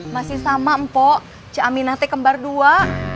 masih sama mpo cik aminah teh kembar dua